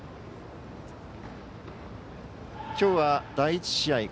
きょうは、第１試合